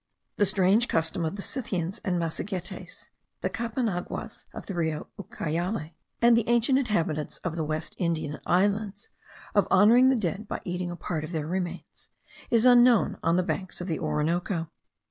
The strange custom of the Scythians and Massagetes, the Capanaguas of the Rio Ucayale, and the ancient inhabitants of the West Indian Islands, of honouring the dead by eating a part of their remains, is unknown on the banks of the Orinoco.